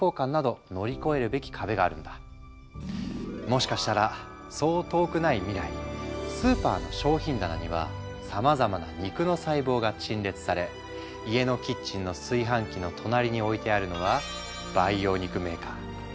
もしかしたらそう遠くない未来スーパーの商品棚にはさまざまな肉の細胞が陳列され家のキッチンの炊飯器の隣に置いてあるのは培養肉メーカー。